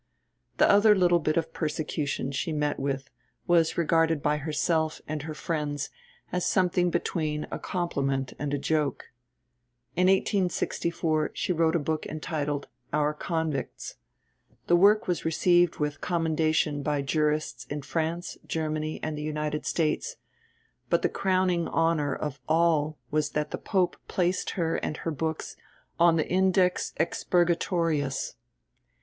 The other little bit of persecution she met with was regarded by herself and her friends as something between a compliment and a joke. In 1864 she wrote a book entitled Our Convicts. The work was received with commendation by jurists in France, Germany, and the United States, but the crowning honour of all was that the Pope placed her and her books on the "Index Expurgatorius."